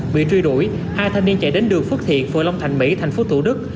bị truy đuổi hai thanh niên chạy đến đường phước thiện phở long thành mỹ tp thủ đức